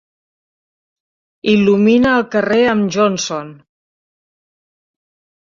Il·lumina el carrer amb Johnson!